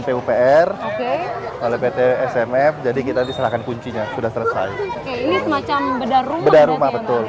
pupr oke oleh pt smf jadi kita diserahkan kuncinya sudah selesai ini semacam bedah rumah betul